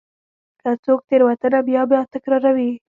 که څوک تېروتنه بیا بیا تکراروي.